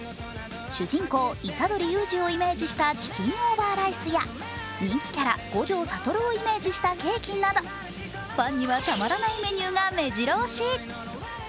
主人公、虎杖悠仁をイメージしたチキンオーバーライスや人気キャラ五条悟をイメージしたケーキなどファンにはたまらないメニューがめじろ押し。